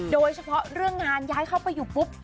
โดยเฉพาะเรื่องงานย้ายเข้าไปอยู่ปุ๊บ